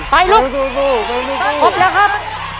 ไปลูกพร้อมแล้วครับ